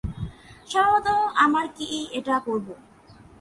সম্ভাবত আমরা কি এটা করব?